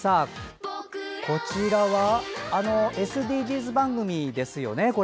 こちらはＳＤＧｓ番組ですよね。